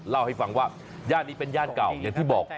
เล่าให้ฟังว่าย่านนี้เป็นย่านเก่าอย่างที่บอก